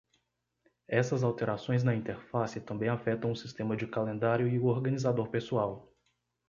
Essas alterações na interface também afetam o sistema de calendário e o organizador pessoal.